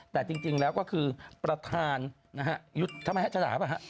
แต่จริงแล้วก็คือประธานชะดาวี้ไหมครับ